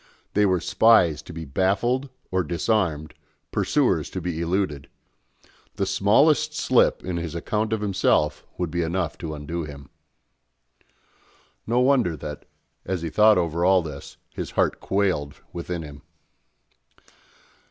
They were spies to be baffled or disarmed, pursuers to be eluded. The smallest slip in his account of himself would be enough to undo him. No wonder that, as he thought over all this, his heart quailed within him.